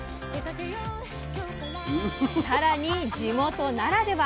さらに地元ならでは。